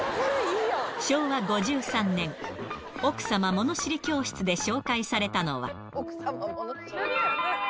昭和５３年、奥さまものしり教室で紹介されたのは。